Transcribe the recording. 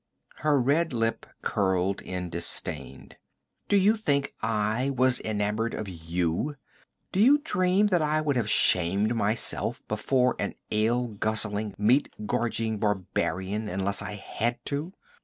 Her red lip curled in disdain. 'Do you think I was enamored of you? Do you dream that I would have shamed myself before an ale guzzling, meat gorging barbarian unless I had to?